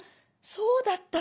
そうだったの？